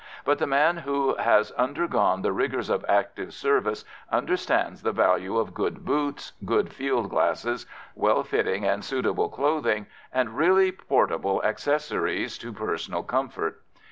But the man who has undergone the rigours of active service understands the value of good boots, good field glasses, well fitting and suitable clothing, and really portable accessories to personal comfort.